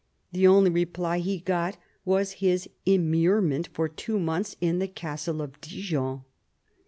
The only reply he got was his immurement for two months in the Castle of Dijon.